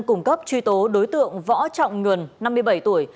cung cấp truy tố đối tượng võ trọng nhuần năm mươi bảy tuổi